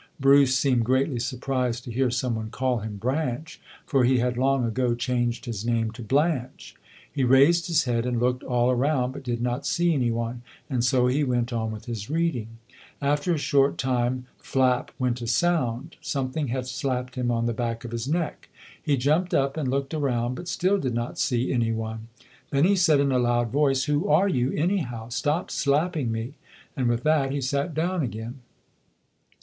Bruce seemed greatly surprised to hear some one call him Branch, for he had long ago changed his name to Blanche. He raised his head and looked all around but did not see any one, and so he went 118] UNSUNG HEROES on with his reading. After a short time, "flap" went a sound. Something had slapped him on the back of his neck. He jumped up and looked around but still did not see any one. Then he said in a loud voice, "Who are you, anyhow? Stop slapping me". And with that, he sat down again.